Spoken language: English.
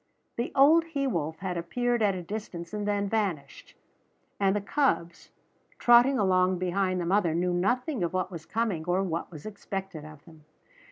The old he wolf had appeared at a distance and then vanished; and the cubs, trotting along behind the mother, knew nothing of what was coming or what was expected of them.